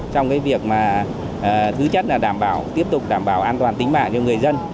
trong việc thứ chất là đảm bảo tiếp tục đảm bảo an toàn tính mạng cho người dân